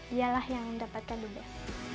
dialah yang mendapatkan the best